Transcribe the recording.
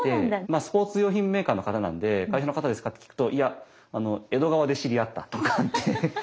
スポーツ用品メーカーの方なんで会社の方ですかって聞くと「いや江戸川で知り合った」とかっておっしゃってたりしてて。